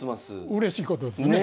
うれしいことですね。